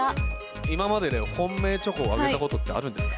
今までで本命チョコあげたことってあるんですか。